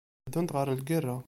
Teddunt ɣer lgirra.